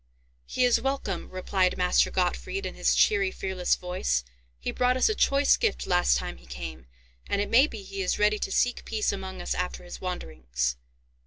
"He is welcome," replied Master Gottfried, in his cheery fearless voice; "he brought us a choice gift last time he came; and it may be he is ready to seek peace among us after his wanderings.